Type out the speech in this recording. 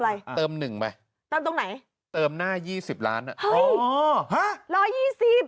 อะไรเติมหนึ่งไปเติมตรงไหนเติมหน้า๒๐ล้านอ่ะเฮ้ยอ๋อฮะ